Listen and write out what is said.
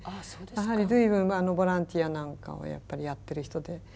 やはり随分ボランティアなんかをやってる人で。